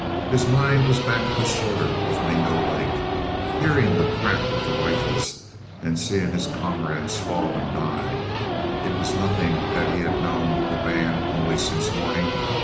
His mind was back at the slaughter of Mingo Lake hearing the crackle of the rifles and seeing his comrades fall and die. It was nothing that he had known the band only since morning.